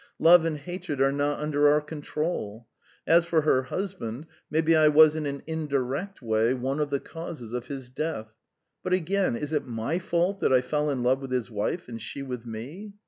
"Love and hatred are not under our control. As for her husband, maybe I was in an indirect way one of the causes of his death; but again, is it my fault that I fell in love with his wife and she with me?"